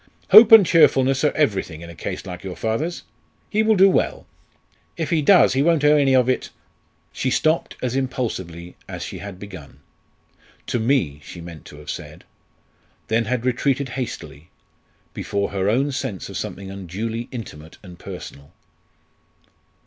"Hope and cheerfulness are everything in a case like your father's. He will do well." "If he does he won't owe any of it " She stopped as impulsively as she had begun. "To me," she meant to have said; then had retreated hastily, before her own sense of something unduly intimate and personal.